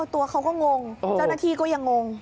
ตัวเขาก็งงเจ้าหน้าที่ก็ยังงง